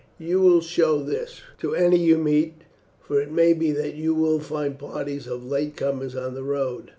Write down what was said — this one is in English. "You will show this, Runoc, to any you meet, for it may be that you will find parties of late comers on the road.